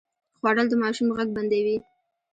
خوړل د ماشوم غږ بندوي